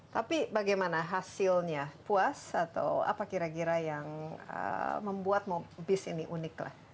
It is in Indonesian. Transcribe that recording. tapi bagaimana hasilnya puas atau apa kira kira yang membuat bis ini unik lah